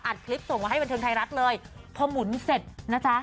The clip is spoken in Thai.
คลิปส่งมาให้บันเทิงไทยรัฐเลยพอหมุนเสร็จนะจ๊ะ